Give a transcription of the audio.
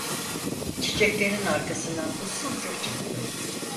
Çiçeklerin arkasından usulca çıktı.